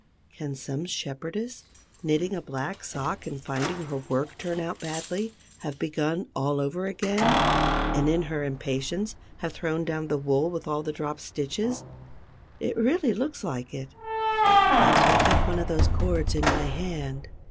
Can some shepherdess, knitting a black sock and finding her work turn out badly, have begun all over again and, in her impatience, have thrown down the wool with all the dropped stitches? It really looks like it. I take up one of those cords in my hand.